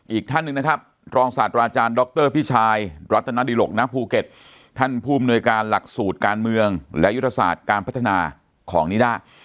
อีกท่านหนึ่งนะครับรองศาสตราอาจารย์ดรพี่ชายรัตนดิหลกณภูเก็ตท่านผู้อำนวยการหลักสูตรการเมืองและยุทธศาสตร์การพัฒนาของนิด้า